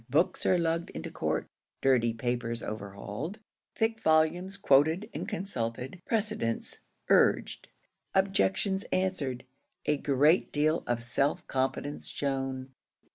Books are lugged into court dirty papers overhauled thick volumes quoted and consulted precedents urged objections answered a great deal of self confidence shown.